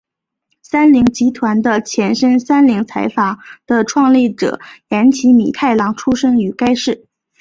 三菱集团的前身三菱财阀的创立者岩崎弥太郎出身于该市。